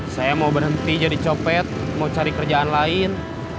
saya mau berhenti jadi copet mau cari kerjaan lain